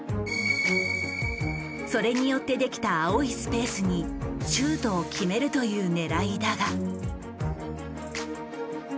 それによってできた青いスペースにシュートを決めるというねらいだが。